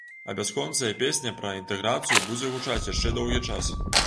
А бясконцая песня пра інтэграцыю будзе гучаць яшчэ доўгі час.